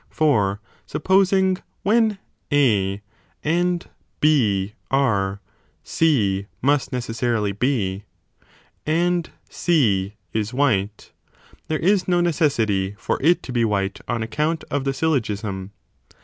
For supposing, when A and B are, C must necessarily be, and C is white, there is no necessity for it to be white on account of the syllogism.